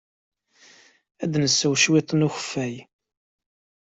Ad nsew cwiṭ n ukeffay.